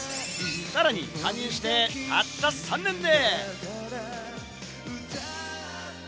さらに加入してから、たった３年で。